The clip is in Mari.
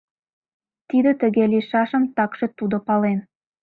Тиде тыге лийшашым такше тудо пален.